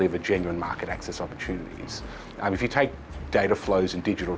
ada chapter yang akan menjadi penting dalam ipf tentang perjalanan digital